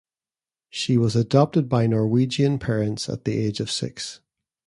She was adopted by Norwegian parents at the age of six.